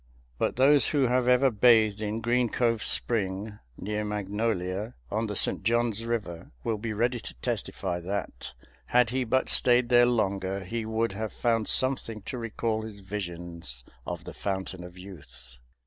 But those who have ever bathed in Green Cove Spring, near Magnolia, on the St. John's River, will be ready to testify that, had he but stayed there longer, he would have found something to recall his visions of the Fountain of Youth.